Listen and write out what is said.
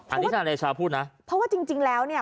อันนี้ทนายเดชาพูดนะเพราะว่าจริงแล้วเนี่ย